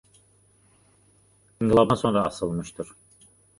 İnqilabdan sonra asılmışdır.